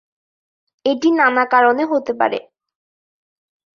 এটি নানা কারণে হতে পারে।